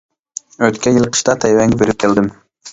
ئۆتكەن يىلى قىشتا تەيۋەنگە بېرىپ كەلدىم.